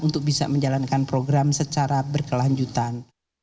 untuk bisa menjalankan program secara berkelanjutan